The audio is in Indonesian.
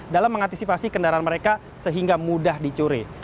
dalam mengantisipasi kendaraan mereka sehingga mudah dicuri